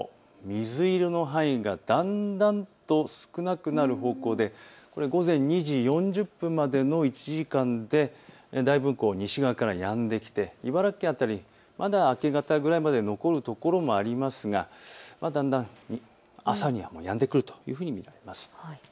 水色の範囲がだんだんと少なくなる方向でこれは午前２時４０分までの１時間で、西側からやんできて茨城県辺り、まだ明け方ぐらいまで残るところもありますがだんだん朝にはもうやんでくると見られます。